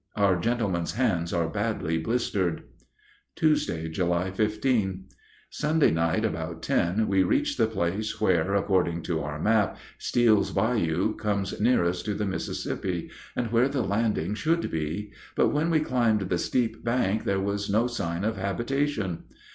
Our gentlemen's hands are badly blistered. Tuesday, July 15. Sunday night about ten we reached the place where, according to our map, Steele's Bayou comes nearest to the Mississippi, and where the landing should be; but when we climbed the steep bank there was no sign of habitation.